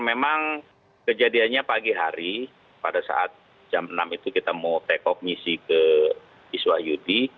memang kejadiannya pagi hari pada saat jam enam itu kita mau take off misi ke iswah yudi